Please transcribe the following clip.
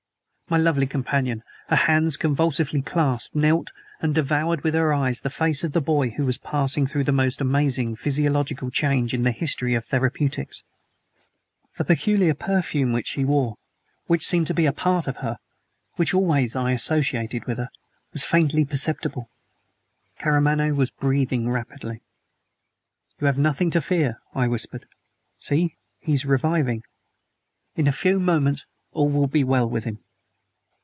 My lovely companion, her hands convulsively clasped, knelt and devoured with her eyes the face of the boy who was passing through the most amazing physiological change in the history of therapeutics. The peculiar perfume which she wore which seemed to be a part of her which always I associated with her was faintly perceptible. Karamaneh was breathing rapidly. "You have nothing to fear," I whispered; "see, he is reviving. In a few moments all will be well with him."